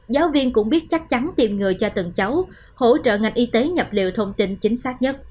giáo viên cũng biết chắc chắn tìm người cho từng cháu hỗ trợ ngành y tế nhập liệu thông tin chính xác nhất